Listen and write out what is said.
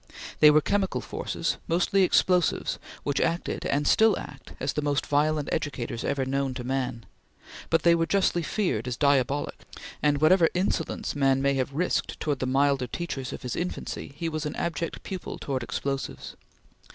They were chemical forces, mostly explosives, which acted and still act as the most violent educators ever known to man, but they were justly feared as diabolic, and whatever insolence man may have risked towards the milder teachers of his infancy, he was an abject pupil towards explosives.